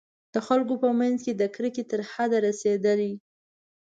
د خلکو په منځ کې د کرکې تر حده رسېدلي.